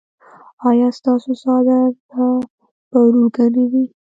ایا ستاسو څادر به پر اوږه نه وي؟